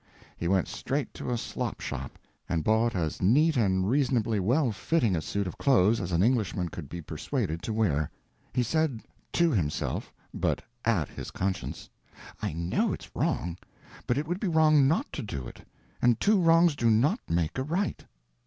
He went straight to a slopshop and bought as neat and reasonably well fitting a suit of clothes as an Englishman could be persuaded to wear. He said—to himself, but at his conscience—"I know it's wrong; but it would be wrong not to do it; and two wrongs do not make a right."